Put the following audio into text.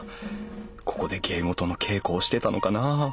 ここで芸事の稽古をしてたのかなあ？